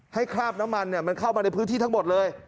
คราบน้ำมันมันเข้ามาในพื้นที่ทั้งหมดเลย